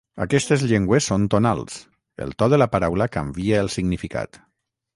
Aquestes llengües són tonals; el to de la paraula canvia el significat.